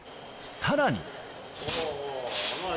さらに。